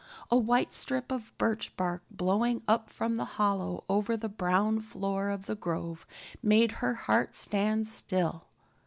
A white strip of birch bark blowing up from the hollow over the brown floor of the grove made her heart stand still.